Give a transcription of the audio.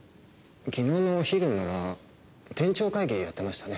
昨日のお昼なら店長会議やってましたね。